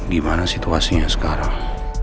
gimana situasinya sekarang